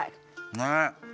ねえ。